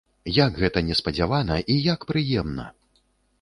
Як гэта неспадзявана і як прыемна!